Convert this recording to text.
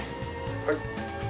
はい。